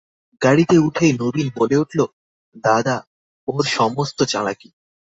গাড়িতে উঠেই নবীন বলে উঠল, দাদা, ওর সমস্ত চালাকি।